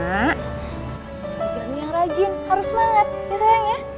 harus belajar yang rajin harus semangat ya sayang ya